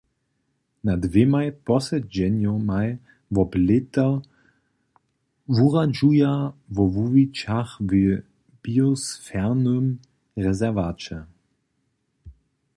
Na dwěmaj posedźenjomaj wob lěto wuradźuja wo wuwićach w biosferowym rezerwaće.